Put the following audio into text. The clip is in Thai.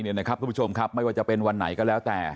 ทุกผู้ชมครับไม่ว่าจะเป็นวันไหนก็แล้วแต่